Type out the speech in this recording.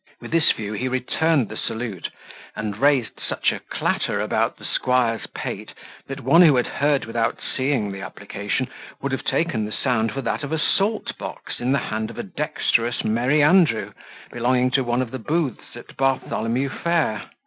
With this view be returned the salute, and raised such a clatter about the squire's pate, that one who had heard without seeing the application, would have taken the sound for that of a salt box, in the hand of a dexterous merry andrew, belonging to one of the booths at Bartholomew fair.